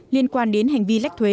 liên quan đến hành vi lách thuế